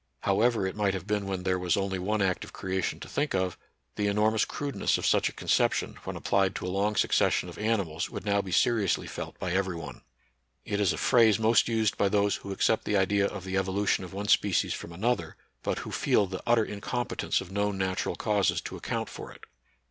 However it might have been when there was only one act of creation to think of, the enormous crudeness of such a conception when applied to a long succession of animals would now be seriously felt by every one. It is a phrase most used by those who accept the idea of the evolution of one species from another, but who feel the utter incom petence of known natural causes to account for it.